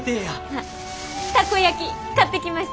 あたこ焼き買ってきました！